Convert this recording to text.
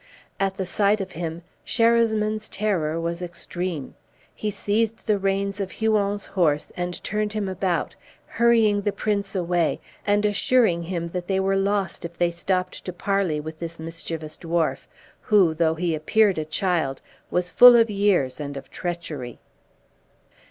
At the sight of him, Sherasmin's terror was extreme. He seized the reins of Huon's horse, and turned him about, hurrying the prince away, and assuring him that they were lost if they stopped to parley with the mischievous dwarf, who, though he appeared a child, was full of years and of treachery.